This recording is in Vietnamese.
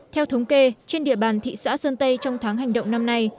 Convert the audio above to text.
theo thống kê trên địa bàn thị xã sơn tây trong tháng hành động năm nay